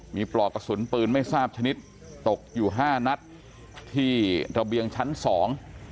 มีปลอกกระสุนปืนไม่ทราบชนิดตกอยู่ห้านัดที่ระเบียงชั้นสอง